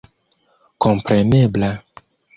komprenebla